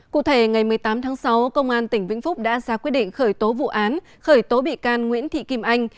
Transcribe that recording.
cụ thể ngày một mươi tám tháng sáu công an tỉnh vĩnh phúc đã ra quyết định khởi tố vụ án khởi tố bị can nguyễn thị kim anh